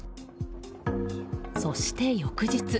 そして、翌日。